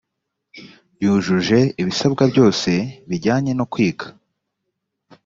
yujuje ibisabwa byose bijyanye no kwiga